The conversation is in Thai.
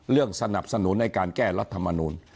เรื่องสนับสนุนในการแก้รัฐมนูล